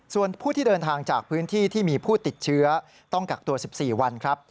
ส่วนผู้ที่เดินทางจากพื้นที่ที่มีผู้ติดเชื้อต้องกักตัว๑๔วันครับ